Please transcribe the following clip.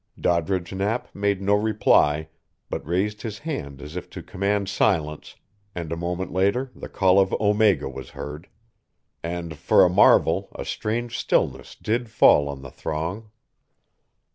Doddridge Knapp made no reply, but raised his hand as if to command silence, and a moment later the call of Omega was heard. And, for a marvel, a strange stillness did fall on the throng.